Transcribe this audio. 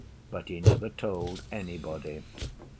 But he never told anybody.